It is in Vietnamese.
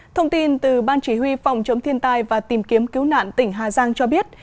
thông tin từ ban chỉ huy phòng chống thiên tai và tìm kiếm cứu nạn tỉnh hà giang cho biết